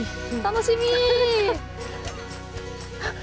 楽しみ。